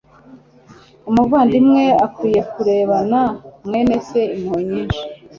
Umuvandimwe akwiye kurebana mwene se impuhwe nyinshi,